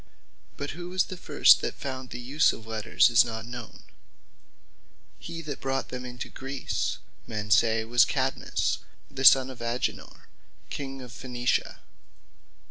But who was the first that found the use of Letters, is not known. He that first brought them into Greece, men say was Cadmus, the sonne of Agenor, King of Phaenicia.